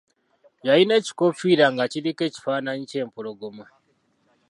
Yalina ekikoofiira nga kiriko ekifaananyi ky’empologoma.